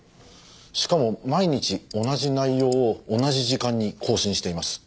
しかも毎日同じ内容を同じ時間に更新しています。